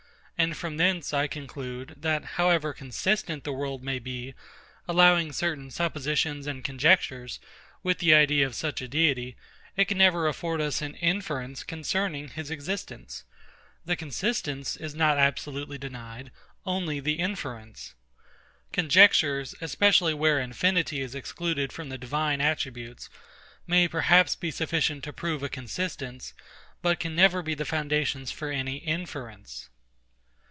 And from thence I conclude, that however consistent the world may be, allowing certain suppositions and conjectures, with the idea of such a Deity, it can never afford us an inference concerning his existence. The consistence is not absolutely denied, only the inference. Conjectures, especially where infinity is excluded from the Divine attributes, may perhaps be sufficient to prove a consistence, but can never be foundations for any inference.